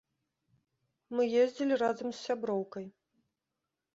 Мы ездзілі разам з сяброўкай.